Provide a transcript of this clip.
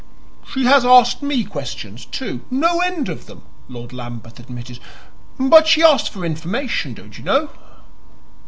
"She has asked me questions, too; no end of them," Lord Lambeth admitted. "But she asked for information, don't you know."